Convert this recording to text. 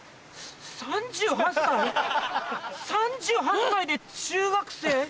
３８歳⁉３８歳で中学生？